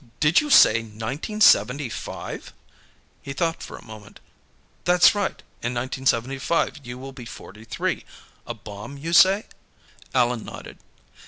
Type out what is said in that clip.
"Did you say nineteen seventy five?" He thought for a moment. "That's right; in 1975, you will be forty three. A bomb, you say?" Allan nodded.